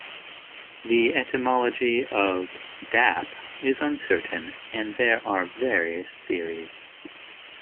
The etymology of "dap" is uncertain, and there are various theories.